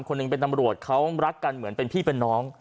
คนหนึ่งเป็นตำรวจเขารักกันเหมือนเป็นพี่เป็นน้อง